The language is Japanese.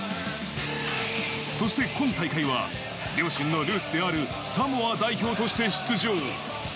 そして今大会は両親のルーツであるサモア代表として出場。